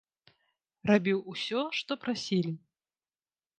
Рабіў усё, што прасілі.